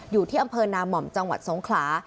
อยู่ที่อำเภอนาม่อมจังหวัดสงขลา